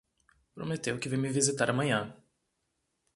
Prometeu que vem me visitar amanhã.